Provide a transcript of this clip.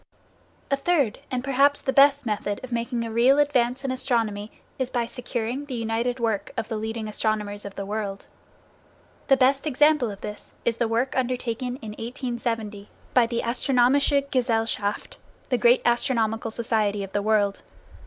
A third, and perhaps the best, method of making a real advance in astronomy is by securing the united work of the leading astronomers of the world. The best example of this is the work undertaken in 1870 by the Astronomische Gesellschaft, the great astronomical society of the world.